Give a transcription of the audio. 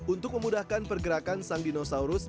untuk memudahkan pergerakan sang dinosaurus